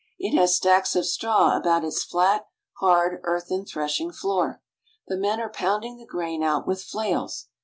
It has stacks of straw about its flat, hard, earthen threshing floor. The men are pounding the grain out with flails.